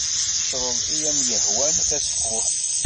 Creḍ i am-yehwan a tasekkurt.